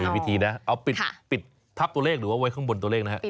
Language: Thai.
วิธีนะเอาปิดทับตัวเลขหรือว่าไว้ข้างบนตัวเลขนะฮะ